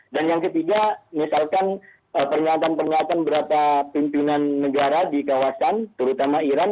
dan yang ketiga misalkan pernyataan pernyataan berapa pimpinan negara di kawasan terutama iran